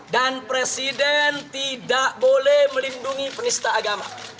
dan presiden tidak boleh melindungi penista agama